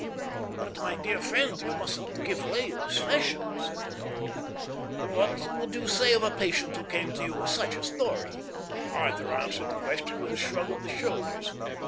"But, my dear friend, you mustn't give way in this fashion," said the doctor. "What would you say of a patient who came to you with such a story?" Arthur answered the question with a shrug of the shoulders.